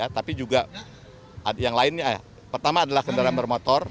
tapi juga yang lainnya pertama adalah kendaraan bermotor